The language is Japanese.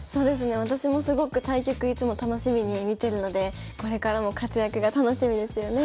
私もすごく対局いつも楽しみに見てるのでこれからも活躍が楽しみですよね。